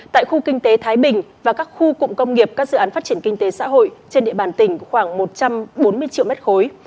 tại khu kinh tế thái bình và các khu cụm công nghiệp các dự án phát triển kinh tế xã hội trên địa bàn tỉnh khoảng một trăm bốn mươi triệu mét khối